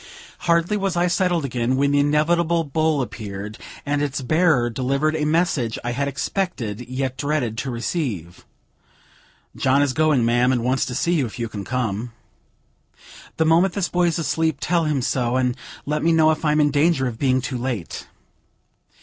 Hardly was I settled again, when the inevitable bowl appeared, and its bearer delivered a message I had expected, yet dreaded to receive: "John is going, ma'am, and wants to see you, if you can come." "The moment this boy is asleep; tell him so, and let me know if I am in danger of being too late."